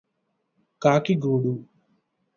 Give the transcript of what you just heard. కాకి గూడు